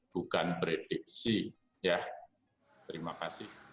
bukan prediksi ya terima kasih